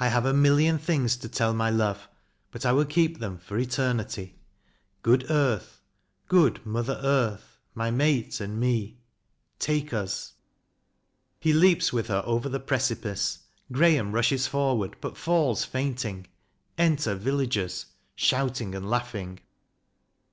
I have a million things to tell my love, But I will keep them for eternity. Good earth, good mother earth, my mate and me Take us. [He leaps with her over the precipice. GRAHAM rushes forward, but falls fainting. Enter VILLAGERS, shouting and laughing.